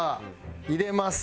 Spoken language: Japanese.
入れます。